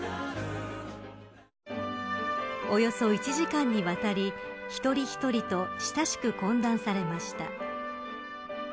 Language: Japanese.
およそ１時間にわたり一人一人と親しく懇談されました。